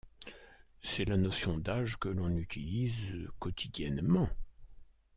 C'est la notion d'âge que l'on utilise quotidiennement.